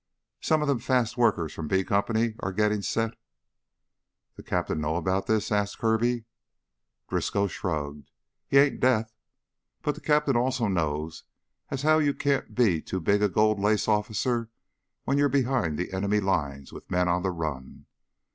Some of them fast workers from B Company are gittin' set...." "The cap'n know about this?" asked Kirby. Driscoll shrugged. "He ain't deaf. But the cap'n also knows as how you can't be too big a gold lace officer when you're behind the enemy lines with men on the run.